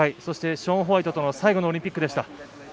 そしてショーン・ホワイトとの最後のオリンピックでした。